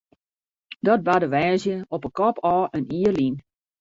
Dat barde woansdei op 'e kop ôf in jier lyn.